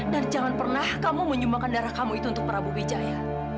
dan jangan pernah kamu menyumbangkan darah kamu itu untuk prabu wijaya